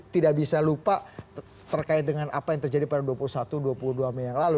tidak bisa lupa terkait dengan apa yang terjadi pada dua puluh satu dua puluh dua mei yang lalu